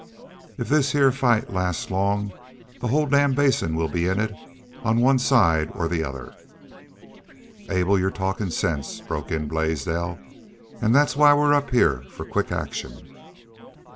If this heah fight lasts long the whole damn Basin will be in it, on one side or t'other." "Abe, you're talkin' sense," broke in Blaisdell. "An' that's why we're up heah for quick action."